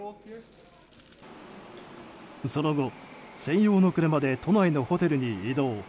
その後、専用の車で都内のホテルに移動。